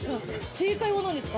正解はなんですか？